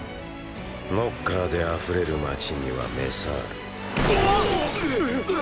ノッカーであふれる街にはメサールをどあ！